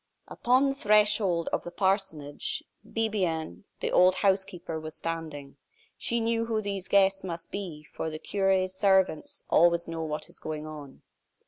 Upon the threshold of the parsonage, Bibiaine, the old housekeeper, was standing. She knew who these guests must be, for the cure's servants always know what is going on.